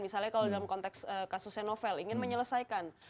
misalnya kalau dalam konteks kasusnya novel ingin menyelesaikan